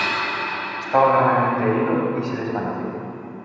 Estaba gravemente herido, y se desvaneció.